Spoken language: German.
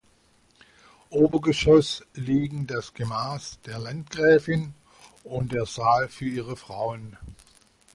Obergeschoss liegen das Gemach der Landgräfin und der Saal für ihre Frauen.